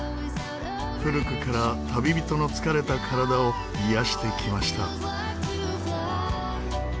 古くから旅人の疲れた体を癒やしてきました。